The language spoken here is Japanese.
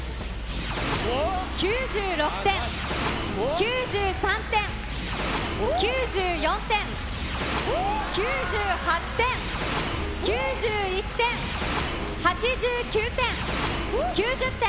９６点、９３点、９４点、９８点、９１点、８９点、９０点。